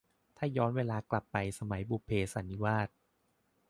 ถ้าย้อนเวลากลับไปสมัย บุพเพสันนิวาส